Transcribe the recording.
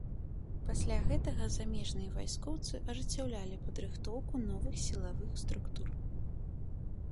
Пасля гэтага замежныя вайскоўцы ажыццяўлялі падрыхтоўку новых сілавых структур.